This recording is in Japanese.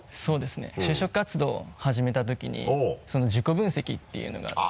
就職活動始めたときに自己分析っていうのがあって。